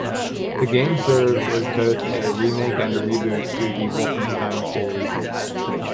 The game serves as both a remake and a reboot to the "Wolfenstein series".